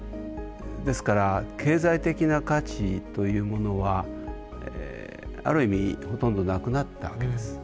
ですから経済的な価値というものはある意味はほとんどなくなったわけです。